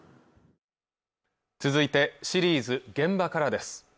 続いてシリーズ「現場から」です